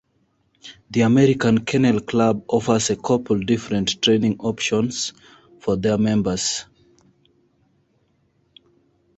The American Kennel Club offers a couple different training options for their members.